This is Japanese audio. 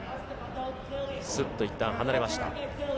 すっといったん離れました。